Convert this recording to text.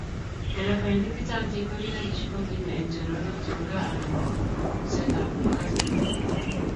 nderefainik chechang cheikwerie karishek koginai eng choronok chebo gaa anan ko ngusetab kasari